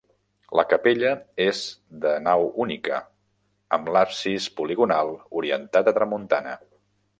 La capella és de nau única amb l'absis poligonal orientat a tramuntana.